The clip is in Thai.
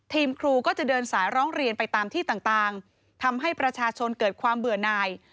ที่ต่างทำให้ประชาชนเกิดความเบื่อนาย